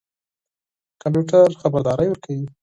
کمپيوټر خبردارى ورکوي.